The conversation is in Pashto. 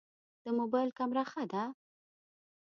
د موبایل کمره ښه ده؟